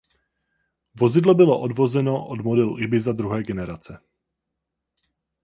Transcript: Vozidlo bylo odvozeno od modelu Ibiza druhé generace.